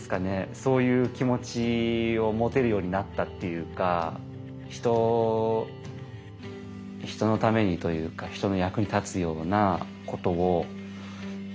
そういう気持ちを持てるようになったっていうか人のためにというかはじめまして。